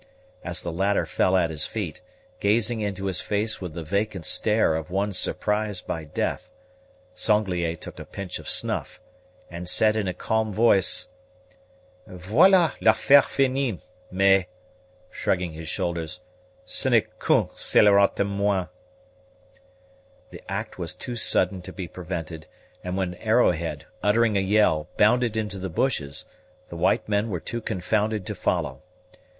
As the latter fell at his feet, gazing into his face with the vacant stare of one surprised by death, Sanglier took a pinch of snuff, and said in a calm voice, "Voila l'affaire finie; mais," shrugging his shoulders, "ce n'est qu'un scelerat de moins." The act was too sudden to be prevented; and when Arrowhead, uttering a yell, bounded into the bushes, the white men were too confounded to follow.